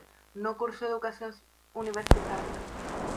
No cursó educación universitaria.